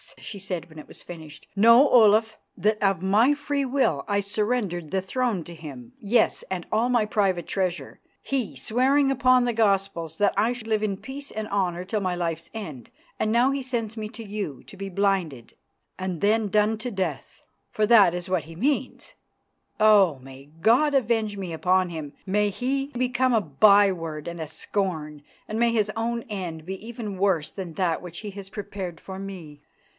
she said when it was finished. "Know, Olaf, that of my free will I surrendered the throne to him, yes, and all my private treasure, he swearing upon the Gospels that I should live in peace and honour till my life's end. And now he sends me to you to be blinded and then done to death, for that is what he means. Oh! may God avenge me upon him! May he become a byword and a scorn, and may his own end be even worse than that which he has prepared for me.